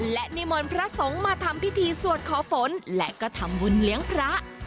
และนิมนต์พระสงฆ์มาทำพิธีสวดขอฝนและก็ทำบุญเลี้ยงพระ